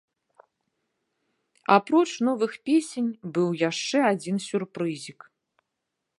Апроч новых песень быў яшчэ адзін сюрпрызік.